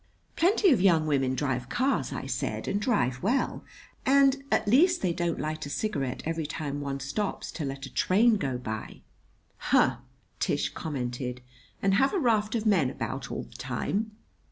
"Plenty of young women drive cars," I said, "and drive well. And, at least, they don't light a cigarette every time one stops to let a train go by." "Huh!" Tish commented. "And have a raft of men about all the time!"